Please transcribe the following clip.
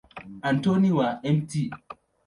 Antoni wa Mt.